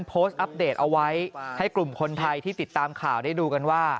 อัปเดตเอาไว้ให้กลุ่มคนไทยที่ติดตามข่าวได้ดูกันว่า